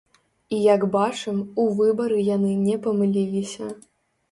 І як бачым, у выбары яны не памыліліся.